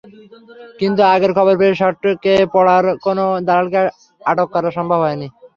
কিন্তু আগেই খবর পেয়ে সটকে পড়ায় কোনো দালালকে আটক করা সম্ভব হয়নি।